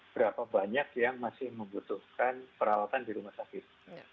berapa banyak yang masih membutuhkan perawatan di rumah sakit